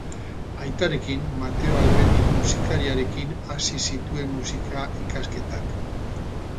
Aitarekin, Mateo Albeniz musikariarekin, hasi zituen musika-ikasketak.